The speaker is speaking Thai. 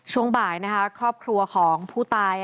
ช่วงบ่ายนะคะครอบครัวของผู้ตาย